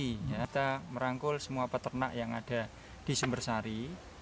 kita merangkul semua peternak yang ada di sumbersari